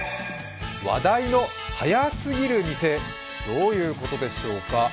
「話題の早すぎる店」、どういうことでしょうか？